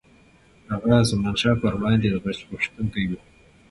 هغه د زمانشاه پر وړاندې د غچ غوښتونکی و.